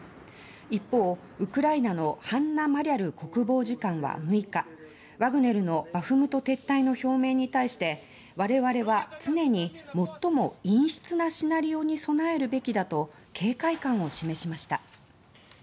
一方、ウクライナのハンナ・マリャル国防次官は６日ワグネルのバフムト撤退の表明に対して我々は、常に最も陰湿なシナリオに備えるべきだと警戒感を示しました。